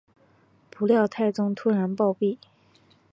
不料太宗突然暴毙。